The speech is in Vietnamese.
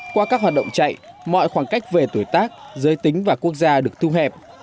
qua các hoạt động chạy mọi khoảng cách về tuổi tác giới tính và quốc gia được thu hẹp